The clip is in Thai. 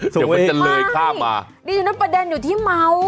โอ้โฮเดี๋ยวมันจะเลยฆ่ามาไม่ดีจริงประเด็นอยู่ที่เมา